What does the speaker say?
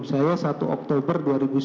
saya satu oktober dua ribu sembilan belas